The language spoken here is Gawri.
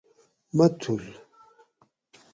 متھول